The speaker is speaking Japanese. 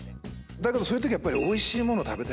だけどそういうときはやっぱり。